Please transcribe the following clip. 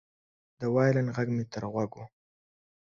د وایلن غږ مې تر غوږ و